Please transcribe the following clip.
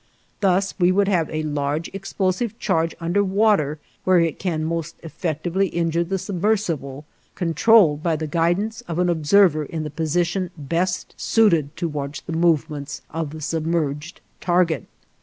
Thus we would have a large explosive charge under water where it can most effectively injure the submersible, controlled by the guidance of an observer in the position best suited to watch the movements of the submerged target.